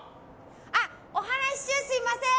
あ、お話し中すみません！